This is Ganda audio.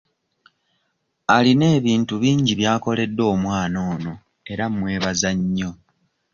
Alina ebintu bingi by'akoledde omwana ono era mmwebaza nnyo.